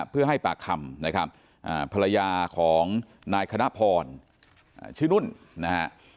เพื่อให้ปากคำนะครับภรรยาของนายคณะพรชื่อนุ่นนะฮะ